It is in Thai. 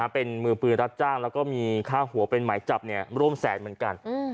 เป็นมือปืนรับจ้างแล้วก็มีค่าหัวเป็นหมายจับร่วมแสนเหมือนกัน